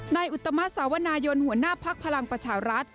อุตมะสาวนายนหัวหน้าภักดิ์พลังประชารัฐ